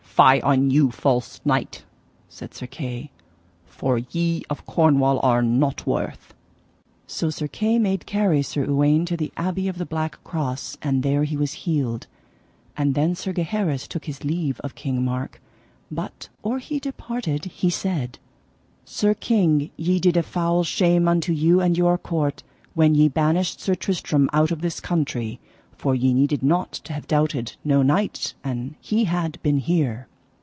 Fie on you false knight, said Sir Kay, for ye of Cornwall are nought worth. So Sir Kay made carry Sir Uwaine to the Abbey of the Black Cross, and there he was healed. And then Sir Gaheris took his leave of King Mark, but or he departed he said: Sir king, ye did a foul shame unto you and your court, when ye banished Sir Tristram out of this country, for ye needed not to have doubted no knight an he had been here.